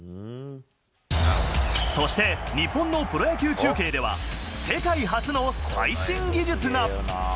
そして日本のプロ野球中継では、世界初の最新技術が。